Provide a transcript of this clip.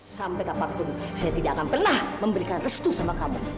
sampai kapanpun saya tidak akan pernah memberikan restu sama kamu